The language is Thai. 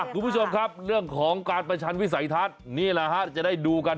คุณผู้ชมครับเรื่องของการประชันวิสัยทัศน์นี่แหละฮะจะได้ดูกัน